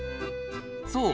そう。